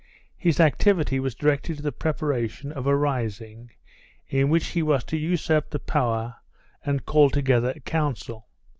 His activity was directed to the preparation of a rising in which he was to usurp the power and call together a council.